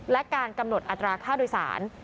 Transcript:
และการกำหนดอัตราค่าโดยสาร